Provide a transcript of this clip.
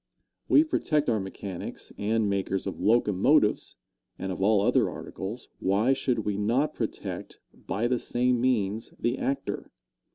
We protect our mechanics and makers of locomotives and of all other articles. Why should we not protect, by the same means, the actor?